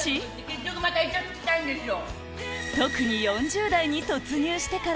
結局またいちゃつきたいんでしょ。